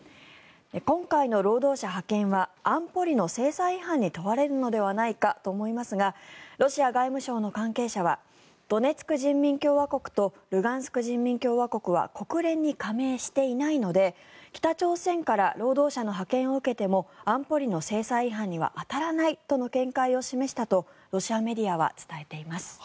今回の労働者派遣は安保理の制裁違反に問われるのではないかと思いますがロシア外務省の関係者はドネツク人民共和国とルガンスク人民共和国は国連に加盟していないので北朝鮮から労働者の派遣を受けても安保理の制裁違反には当たらないとの見解を示したとロシアメディアは伝えています。